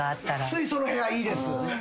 水素の部屋いいです！